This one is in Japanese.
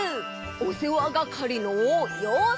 おせわがかりのようせい！